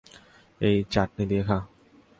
এই, চাটনি দিয়ে খা।